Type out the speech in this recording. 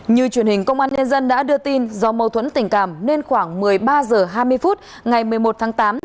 như truyền hình công an nhân dân đã đưa tin do mâu thuẫn tình cảm nên khoảng một mươi ba h hai mươi phút ngày một mươi một tháng tám